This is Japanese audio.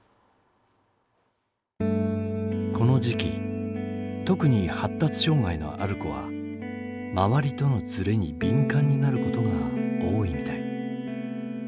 この時期特に発達障害のある子は周りとのズレに敏感になることが多いみたい。